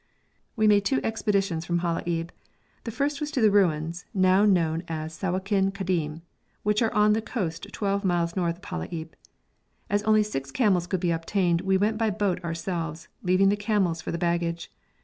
We made two expeditions from Halaib; the first was to the ruins now known as Sawakin Kadim, which are on the coast twelve miles north of Halaib. As only six camels could be obtained we went by boat ourselves, leaving the camels for the baggage.